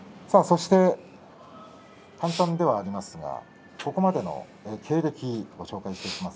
簡単ではありますがここまでの経歴をご紹介していきます。